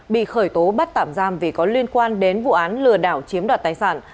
bị khởi tố bắt tạm giam vì có liên quan đến vụ án lừa đảo chiếm đoạt tài sản